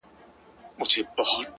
• اوس هم زما د وجود ټوله پرهرونه وايي ـ